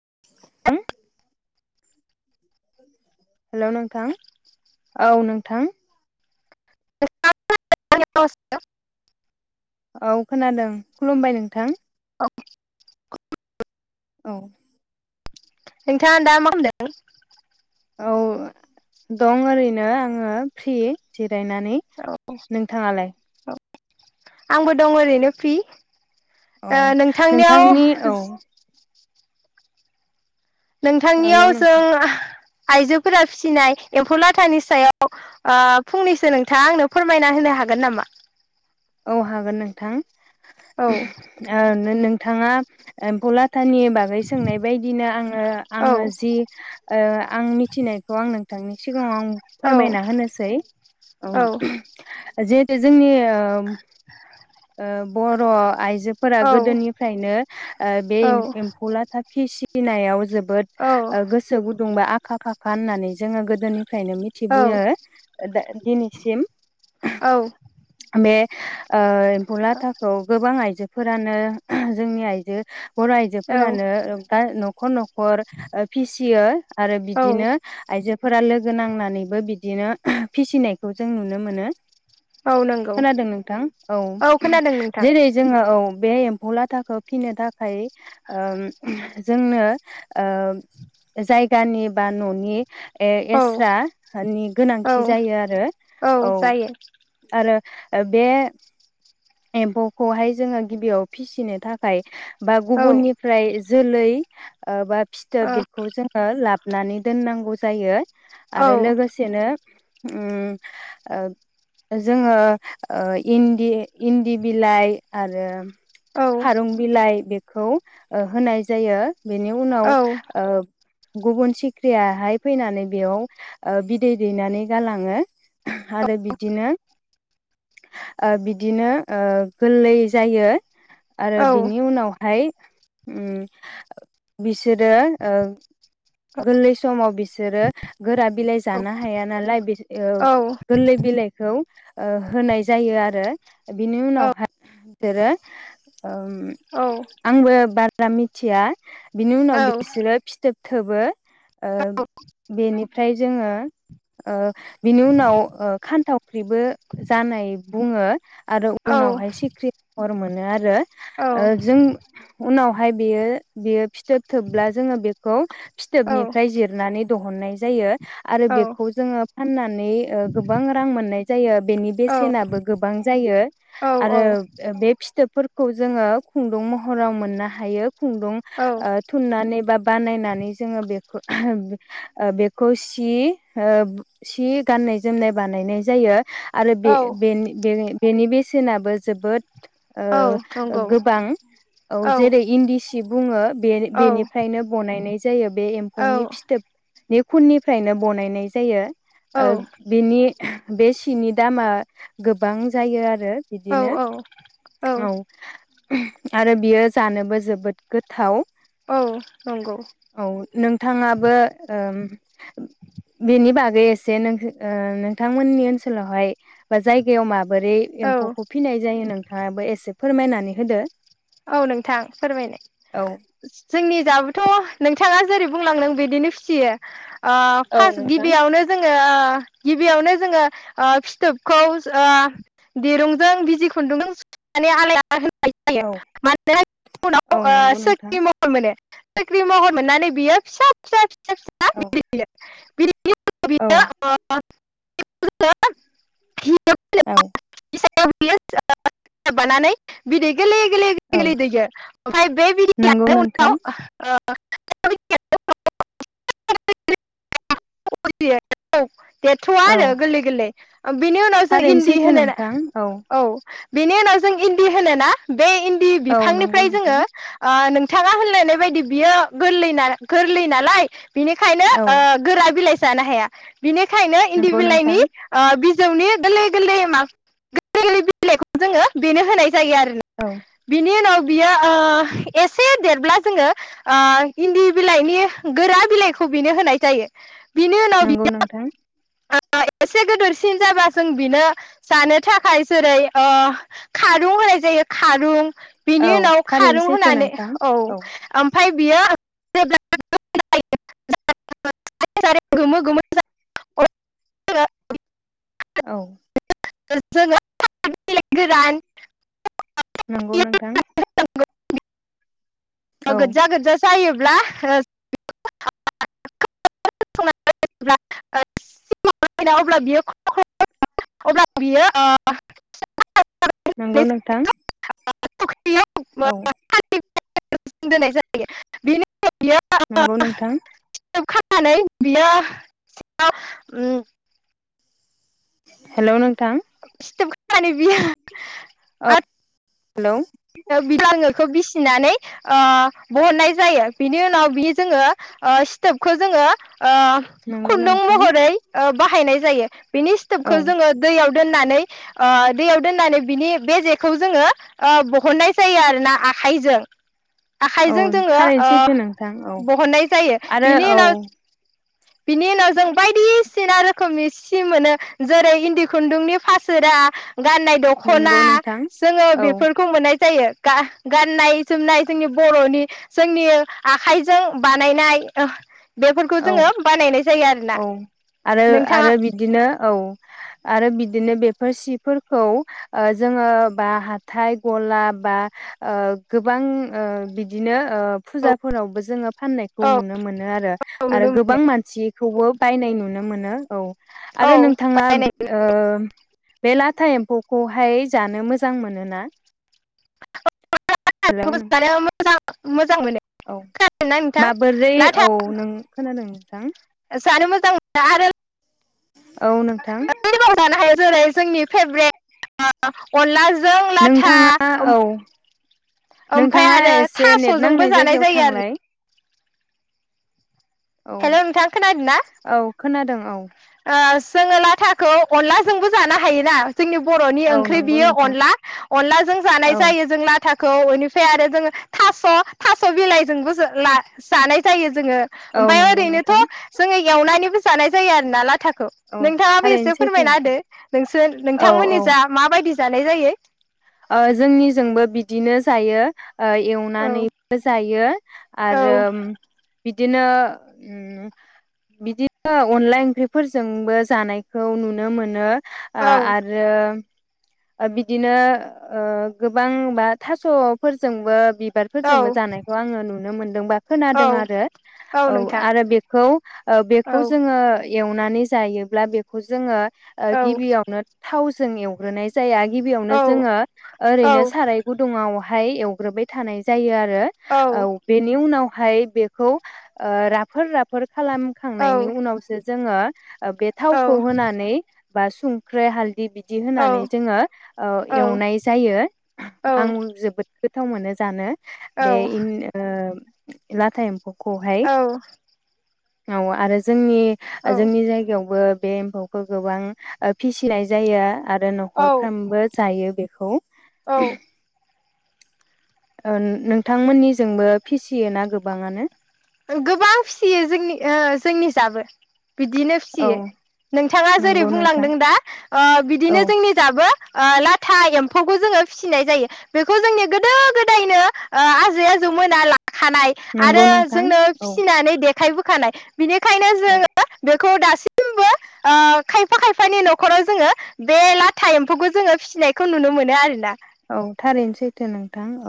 [unintelligible] Hello नोंथां औ नोंथां। [unintelligible] औ खोनादों खुलुमबाय नोंथां। औ। औ। नोंथाङा दा मा खालामदों। औ दं ओरैनो आङो फ्रि जेब [unintelligible] नानै औ नोंथाङालाय औ आंबो दं ओरैनो फ्रि। औ ओ नोंथांनियाव नोंथांनि औ हेलौ नोंथांनियाव नोंथां जों आइजोफोरा फिसिनाय एम्फौ लाथानि सायाव ओ फंनैसो नोंथाङा आंनो फोरमायना होनो हागोन नामा? औ हागोन नोंथां औ ओ नो नोंथाङा एमफौ लाथ थानि बागै सोंनाय बायदिनो आङो औ आङो जि ओ आं मिथिनायखौ आं नोंथांनि सिगाङाव आं औ फोरमायना होनोसै औ जि जोंनि ओ ओ [inaudible] ओ बर' आयजो जो फोरा औ गोदोनिफ्रायनो ओ बे औ एम एम्फौ लाथा फिसि फिनायाव जोब बोद औ ओ गोसो गुदुंबा आखा फाखा होननानै जोङो गोदोनि फ्रायनो मिथिबुयो दा दिनिसिम औ। बे ओ लाथाखौ गोबां आइजोफोरानो जोंनि आइजो बर' औ आइजोफोरानो ओ बा न खर ओ फिसियो आरो औ बिदिनो आइजो फोरा लोगो नांनानैबो बिदिनो फिसिनायखौ जों नुनो मोनो। औ नंगौ खोनादों नोंथां औ। खोनादों नोंथां। जेरै जोङो औ बे एम्फौ लाथाखौ फिनो थाखाय ओम जोंनो ओ जायगानि बा न'नि ए औ एस्रानि औ गोनांथि जायो आरो औ आरो ओ बे एम्फौखौहाय जोङो गिबियाव फिसिनो थाखाय बा औ गुबुननिफ्राय जोलै आ बा औ फिथोब बेखौ जोङो लाब नानै दोननांगौ जायो औ आरो लोगोसेनो ओम ओ जोङो ओ इन्दि इन्दि बिलाइ आरो खारुं बिलाइ बे खौ होनाय जायो बेनि उनाव ओब गुबुन सिख्रियाहाय फैनानै बेयाव बिदै दैनानै गालाङो आरो बिदिनो आ बिदि बिदिनो गोरलै जायो आरो बिनि उनाव फ्राय ओम बिसोरो ओ गोरलै समाव बेसे देरो गोरा बिलाइ जानो हाया नालाय बे औ गोरलै बिलाइखौ ओ होनाय जायो आरो बिनि औ उनावहाय जेरै ओम औ आंबो बारा रा मिथिया बिनि औ उनाव बिसोरो फिथोब थोबो ओ बेनि ओमफ्राय जोङो ओ बिनि उनाव ओ खान्थावख्रिबो जानाय बुङो आरो उनावहाय सिख्रि महर मोनो आरो औ ओ जों उनाव फाय बियो बियो फिथ फिथोब थोबब्ला जोङो बेखौ औ फिथोबनिफ्राय जिरनानै दहननाय जायो। आरो बेखौ जोङो फाननानै ओ गोबां रां मोननाय जायो बेनि बेसेनाबो गोब बां जायो औ आरो फिथोबफोरखौ जोङो खुन्दुं महराव मोननो हायो। खुन्दुं ओ थुननानै बा बानायनानै जोङो बेखौ ऐ बेखौ सि ओ सि गाननाय जोमनाय बानायनाय जायो। आरो बे औ बेनि बे बेनि बेसेनाबो जोबोद औ ओ नंगौ गोबां औ जेरै इन्दि सि बुङो बे औ बेनिफ्रायनो बनायनाय जायो बे औ एम्फौनि फिथोबनि खुननिफ्रायनो बनायनाय जायो। ओ बिनि बे सिनि दामा गोबां जायो आरो । औ बिदिनो औ आरो बियो जानोबो जोबोद गोथाव। औ नंगौ औ नोंथाङाबो बेनि बागै एसे ओ नोंथांमोननि ओनसोलावहाय जाय गायाव मा बोरै औ एम्फौखौ फिनाय जायो नों नोंथाङाबो एसे फोरमायनानै होदो। औ नोंथां औ फोरमायनाय जोंनि दाबोथ' नोंथाङा जेरै बुंलांदों बिदिनो फिसियो ओ औ फार्स्ट गिबियावनो जोङो गिबियावनो जोङो ओ फिथोबखौ ओ दिरुंजों बिजि खुन्दुंजों सुनानै आलाय होनो हायो [unintelligible] नंगौ नोंथां साख्रि महर मोननानै बियो फिसा फिसा औ [unintelligible] औ [inaudible] औ [unintelligible] बानानै बिदै गोलै औ गोदै दैयो ओमफ्राय बे नंगौ बिदैयानो उनाव नोंथां ओ [inaudible] [unintelligible] देरथ'आ औ आरो गोरलै गोरलै बिनि उनावसो थारैनो इन्दि सैथो होनो ना नोंथां औ बिनि उनाव जों इन्दि होनो ना बे इन्दि औ नंगौ बिफांनिफ्राय जोङो नोंथां ओ बिथाङा होनलायनाय बायदि बियो गोरलै गोरलै नालाय बिनिखायनो औ ओ गोरा बिलाइ जानो हाया बिनि बेखायनो इन्दि नंगौ बिलाइनि नोंथां ओ नि गोरलै गोरलै म गोरलै गोरलै बिलाइखौ जोङो बेनो होनाय जाय आरो औ बिनि उनाव बियो ओ एसे देरब्ला जोङो ओ इन्दि बिलाइनि गोरा बिलाइ खौ बेनो होनाय जायो नंगौ नोंथां [unintelligible] आ एसे गिदोरसिन जाबा जों बेनो जानो थाखाय जेरै ओ खारुं होनाय जायो खारुं बिनि औ उनाव थारैनो खारुं सैथो होनानै नोंथां औ ओम ओमफ्राय बियो जेब्ला [unintelligible] [unintelligible] गोमो गोमो [unintelligible] औ [unintelligible] बिलाय गोरान नंगौ नोंथां औ [unintelligible] गोज्जा गोज्जा जायो [unintelligible] [unintelligible] अब्ला बियो अब्ला बियो [unintelligible] नंगौ नोंथां फुख्रियाव औ [unintelligible] बेनि उनाव बियो नंगौ नोंथां [unintelligible] [unintelligible] बियो सि उम [unintelligible] हेल' नों फिथोब हानि बि औ हेलौ बि लाङोखौ बिसिनानै ओ बहननाय जायो बिनि उनाव बि जोङो ओ सिथोबखौ जोङो ओ नंगौ खुन्दुं नोंथां महरै बाहायनाय ओ जायो । बिनि औ स्टोबखौ जोङो दैयाव दोननाय नै ओ दैआव दोननानै बिनि बे जेखु जोङो ओ हरनाय जायो आरो ना आखाइजों। औ आखाइजों जोङो थारैनो ओ सैथो नोंथां औ बहननाय जायो आरो बिनि औ उनाव बिनि उनाव जों बायदिसिना रोखोमनि सि मोनो जेरै इन्दि खुन्दुंनि फासोरा गाननाय दख'ना नंगौ नोंथां जोङो औ बेफोरखौ मोननाय जायो गाननाय जोमनाय जोंनि बर'नि जोंनि आखाइजों बानायनाय ओ बेफोरखौ औ जोङो बानायनाय जायो आरोना औ आरो नोंथाङा आरो बिदिनो औ। आरो बिदिनो बेफोर सिफोरखौ ओ जोङो बा हाथाय गला बा ओ गोबां बिदिनो फुजाफोरावबो जोङो फाननायखौ औ नुनो मोनो आरो। औ आरो नुनो गोबां मानसिखौबो बायनाय नुनो मोनो औ। मोनो औ आरो नोंथाङा बायनायखौबो ओ बे लाथा एम्फौखौहाय। जानो मोजां मोनोना? [unintelligible] हेलौ नों मोजां मोन मोजां मोनो औ खोनादोंना नोंथां माबोरै औ लाथा नों खोनादों नोंथां जानो मो औ नोंथां। लाव जानो हायो जेरै जोंनि फेभरेट अनला नोंथाङा औ ओमफ्राय नोंथाङा आरो एसे नेट थास'जोंबो नांनाय जानाय जायगायाव जायो आरो थांलाय। औ हेल' नोंथां खोनादों ना? औ खोनादों औ जोङो लाथाखौ अनलाजोंबो जानो हायोना? जोंनि बर'नि औ ओंख्रि नंगौ बियो नोंथां अनला अनलाजों जानाय औ जायो जों लाथाख खौ बेनिफ्राय आरो जोङो थास थास' बिलाइजोंबो ला जानाय जायो। जोङो औ ओमफ्राय नंगौ ओरैनोथ' नोंथां जो एवनानैबो जानाय जायो आरोना लाथा औ नोंथाङाबो थारैनो एसे सैथो फोरमायना नोंथां होदो नोंसोर औ नोंथांमोननि औ जा माबायदि? जानाय जायो। ओ जोंनिजोंबो बिदिनो जायो। औ एवनानैबो जायो औ आरो बिदिनो ओ बिदिनो अनला ओंख्रिफोरजोंबो जानायखौ नुनो मोनो। औ ओ आरो ओ बिदिनो ओ गोबांबा थास'फोरजोंबो औ बिबारफोरजोंबो जानायखौ आङो नुनो मोनदों बा औ खोनादों आरो औ आरो बेखौ ओ औ बेखौ जोङो एवनानै जायोब्ला बेखौ जोङो ओ औ गिबियावनो थाव जों एवग्रोनाय ज जाया गिबियावनो औ जोङो औ ओरैनो साराय गुदुङाव ओमफाय एवग्रोबाय थानाय जायो आरो ओ औ बेनि उनाव ओमफाय बेखौ ओ राफोर राफोर खालामखांनायनि उनावसो जोङो ओ बे औ थावखौ होनानै बा संख्रै हालदि बिद दि औ होनानै जोङो ओ औ एवनाय जायो आं औ जोबोद गोद गोथाव मोनो जानो। औ बे इन ओ लाद थाएम्फौखौहाय औ औ आरो जोंनि ओ औ जोंनि जायगायावबो बे एम्फौखौ गोबां ओ फिसिनाय जाया आरो न औ न'खरफ्रामबो जायो। बेखौ औ। नोंथांमोननिजोंबो फिसियो ना गोबाङानो। गोबां फिसियो जोंनि ओ जोंनि जाबो बिदिनो औ फिसियो नोंथाङा जेरै नंगौ नोंथां। बुंलांदों दा ओ औ बिदिनो जोंनि दाबो ओ लाथा एम्फौखौ जोङो फिसिनाय जायो बेखौ जोंनि गोदो गोदायनो ओ आजै आजौ मोना ला खानाय नंगौ आरो नोंथां जोंनो औ। फिसिनानै दे थायबो खानाय औ खौ दासिमबो ओ खायफा खायफानि न'खराव जोङो बे लाथा एम्फौखौ जोङो फिसिनायखौ नुनो मोनो आरोना औ थारैनो सै थो नों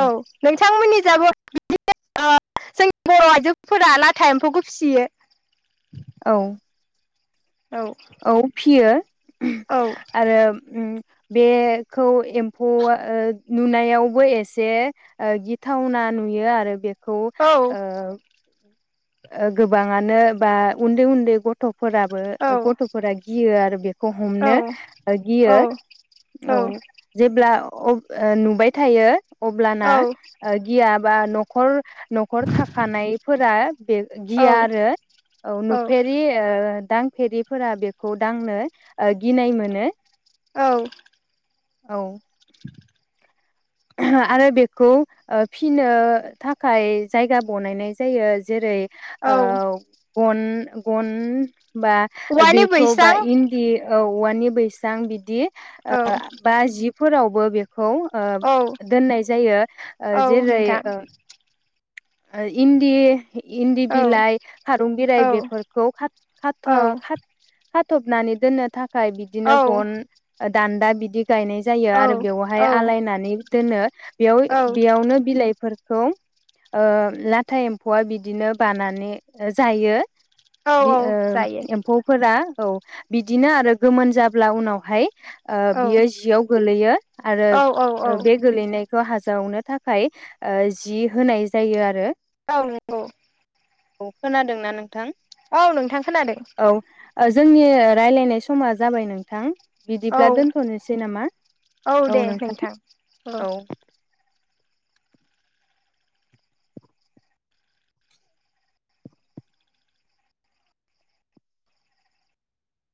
औ नोंथांमोननि जाबो बिदिनो ओ जोंनि बर' आइजोफोरा लाथा एम्फौखौ फिसियो औ औ फियो औ आरो उम बे खौ एम्फौआ ओ नुनायावबो एसे गिथावना नुयो आरो बे खौ औ ओ गोबाङानो बा उन्दै उन्दै गथ' फोराबो औ गथ'फोरा गियो आरो बेखौ औ हमनो गियो औ औ जेब्ला औ नुबाय थायो अब्लाना गिया बा नख खर न'खर थाखानायफोरा बे औ गिया आरो औ नुफेरि ओ दांफेरिफोरा बेखौ दांनो गिनाय मोनो औ औ आरो बेखौ फिनो थाखाय जायगा बनायनाय जायो जेरै ओ गन गन बा औवानि बेखौ बैसां बा इन्दि औ औवानि बैसां बिदि ओ औ बा जिफोराव बो बे खौ ओ औ दोननाय जायो ओ औ जेरै नोंथां ओ ओ इनदि इन्दि औ बिलाइ खारं बिलाइ औ बेफोरखौ खा औ खाथा' खाथ खाथबनानै दोननो थाख खाय बिदिनो गन ओद दान्दा बिदि गायनाय जायो औ आरो बेवहाय औ आलायनानै दोनो बेयाव बेयावनो बिलाइफोर [unintelligible] ओ लाथा एम्फौआ बिदिनो बानानै जायो। औ बि ओ जायो एम्फौफोरा औ बिदिनो आरो गोमोन जाब्ला उनावहाय। ओ औ बियो जियाव गोलैयो आरो औ औ औ बे गोलैनाय खौ हाजावनो थाखाय ओ जि होनाय जायो आरो औ नोंगौ। औ खोनादोंना नोंथां? औ नोंथां खोनादों। औ ओ जोंनि रायलायनाय समा जाबाय नोंथां। औ बिदिब्ला दोन्थ'नोसै नामा औ नोंथां औ